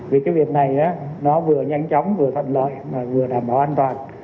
vì cái việc này nó vừa nhanh chóng vừa thuận lợi mà vừa đảm bảo an toàn